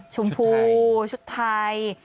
ชมพูชุดไทย